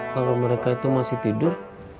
kalau mereka itu masih tidur